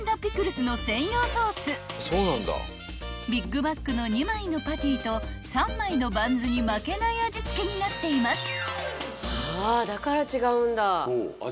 ［ビッグマックの２枚のパティと３枚のバンズに負けない味付けになっています］